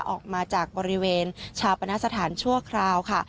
ออกมาจากบริเวณชาปนสถานชั่วคราวค่ะ